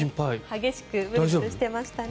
激しくブルブルしてましたね。